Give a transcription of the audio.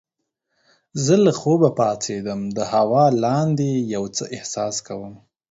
زه له خوبه پاڅیدم د هوا لاندې یو څه احساس کوم.